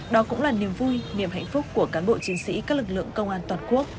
đó cũng là niềm vui niềm hạnh phúc của cán bộ chiến sĩ các lực lượng công an toàn quốc